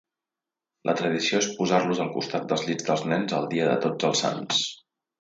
La tradició és posar-los al costat dels llits dels nens el dia de tots els sants.